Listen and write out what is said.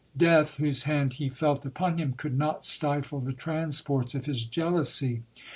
Death, whose hand he felt upon him, could not stifle the transports of his jealousy.